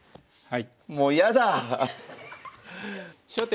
はい。